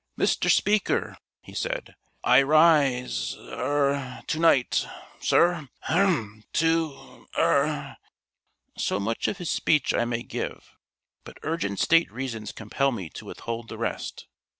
"Mr. Speaker," he said, "I rise er to night, Sir h'r'm, to er " So much of his speech I may give, but urgent State reasons compel me to withhold the rest.